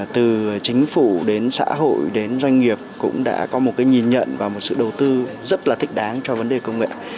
từ chính phủ đến xã hội đến doanh nghiệp cũng đã có một cái nhìn nhận và một sự đầu tư rất là thích đáng cho vấn đề công nghệ